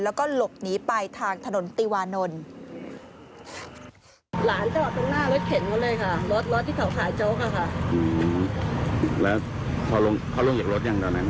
แล้วก็หลบหนีไปทางถนนติวานนท์